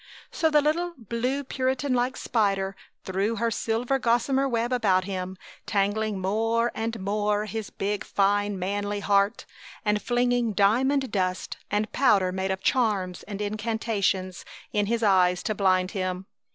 So the little blue Puritan like spider threw her silver gossamer web about him, tangling more and more his big, fine manly heart, and flinging diamond dust, and powder made of charms and incantations, in his eyes to blind him.